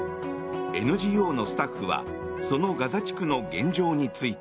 ＮＧＯのスタッフはそのガザ地区の現状について。